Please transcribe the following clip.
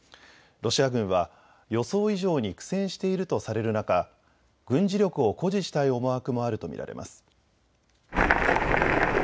ロシア軍は予想以上に苦戦しているとされる中、軍事力を誇示したい思惑もあると見られます。